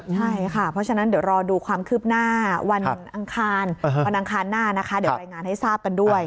ใช่ค่ะเพราะฉะนั้นเดี๋ยวรอดูความคืบหน้าวันอังคารวันอังคารหน้านะคะเดี๋ยวรายงานให้ทราบกันด้วย